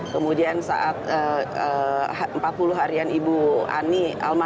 kemudian saat empat puluh harian ibu ani